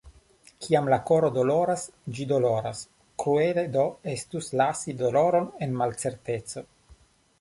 Kiam la koro doloras, ĝi doloras, kruele do estus lasi doloron en malcerteco.